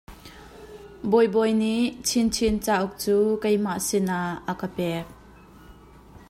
Bawibawi nih Chinchin cauk cu keimah sin ah a ka pek.